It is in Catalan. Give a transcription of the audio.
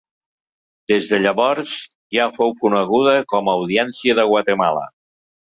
Des de llavors ja fou coneguda com a Audiència de Guatemala.